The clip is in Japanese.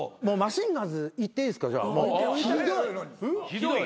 ひどい。